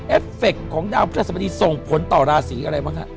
เอฟเฟคของดาวพระสมณีส่งผลต่อราศีอะไรบ้างฮะ